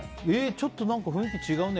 ちょっと雰囲気違うね。